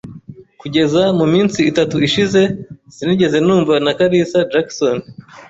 Kugeza muminsi itatu ishize, sinigeze numva na kalisa Jackson.